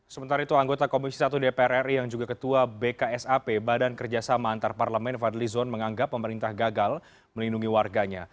sementara itu anggota komisi satu dpr ri yang juga ketua bksap badan kerjasama antarparlemen fadlizon menganggap pemerintah gagal melindungi warganya